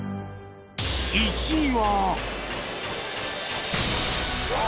１位は